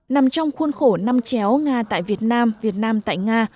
nằm trong khuôn khổ năm chéo nga tại việt nam việt nam tại nga